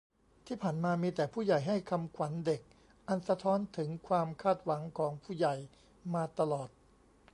ที่ผ่านมา มีแต่ 'ผู้ใหญ่' ให้คำขวัญวันเด็ก อันสะท้อนถึงความคาดหวังของ 'ผู้ใหญ่' มาตลอด